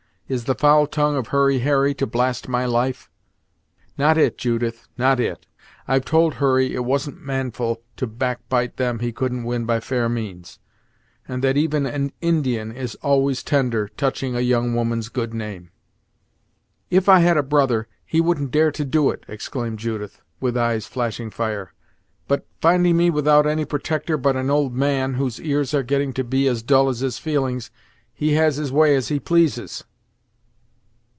Is the foul tongue of Hurry Harry to blast my life?" "Not it, Judith not it. I've told Hurry it wasn't manful to backbite them he couldn't win by fair means; and that even an Indian is always tender, touching a young woman's good name." "If I had a brother, he wouldn't dare to do it!" exclaimed Judith, with eyes flashing fire. "But, finding me without any protector but an old man, whose ears are getting to be as dull as his feelings, he has his way as he pleases!"